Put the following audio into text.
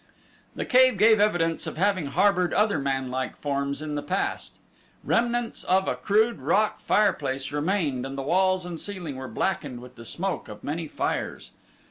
The cave gave evidence of having harbored other manlike forms in the past. Remnants of a crude, rock fireplace remained and the walls and ceiling were blackened with the smoke of many fires.